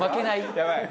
やばい。